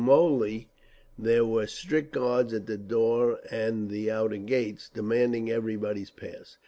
At Smolny there were strict guards at the door and the outer gates, demanding everybody's pass.